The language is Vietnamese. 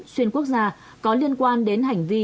xuyên quốc gia có liên quan đến hành vi